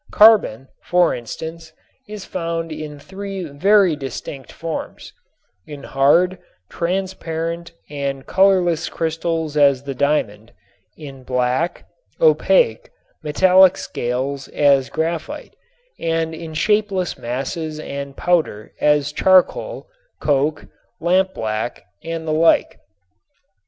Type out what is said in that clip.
Carbon, for instance, is found in three very distinct forms: in hard, transparent and colorless crystals as the diamond, in black, opaque, metallic scales as graphite, and in shapeless masses and powder as charcoal, coke, lampblack, and the like.